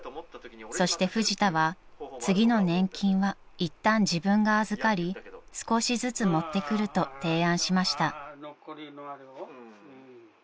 ［そしてフジタは次の年金はいったん自分が預かり少しずつ持ってくると提案しました］